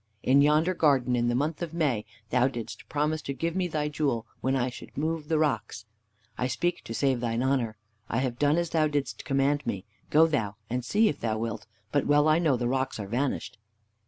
In yonder garden in the month of May thou didst promise to give me thy jewel when I should move the rocks. I speak to save thine honor. I have done as thou didst command me. Go thou and see if thou wilt, but well I know the rocks are vanished."